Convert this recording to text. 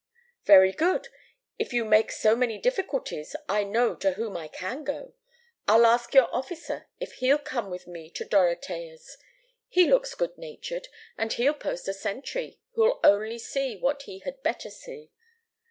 "'Very good! If you make so many difficulties, I know to whom I can go. I'll ask your officer if he'll come with me to Dorotea's. He looks good natured, and he'll post a sentry who'll only see what he had better see.